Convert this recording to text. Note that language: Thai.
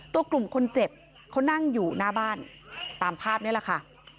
ตัวกลุ่มคนเจ็บเขานั่งอยู่หน้าบ้านตามภาพนี้แหละค่ะ